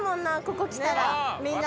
ここ来たら。